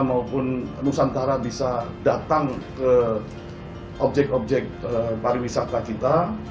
maupun nusantara bisa datang ke objek objek pariwisata kita